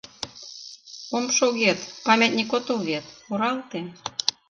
Мом шогет, памятник отыл вет, муралте!